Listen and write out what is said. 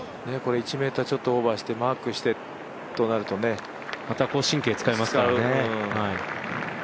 １ｍちょっとオーバーしてマークしてってなるとまた神経使いますからね。